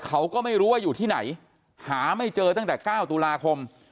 เขาก็ไม่รู้ว่าอยู่ที่ไหนหาไม่เจอตั้งแต่๙ตุลาคม